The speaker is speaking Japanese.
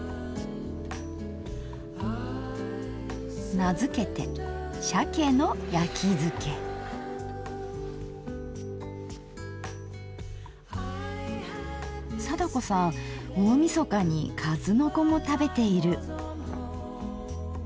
名付けて貞子さん大みそかにかずのこも食べている。